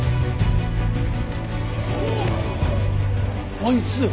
あいつ。